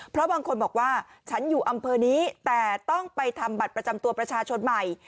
เพราะบางคนบอกว่าฉันอยู่อำเภอนี้แต่ต้องไปทำบัตรประจำตัวประชาชนใหม่